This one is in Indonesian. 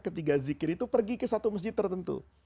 ketiga zikir itu pergi ke satu masjid tertentu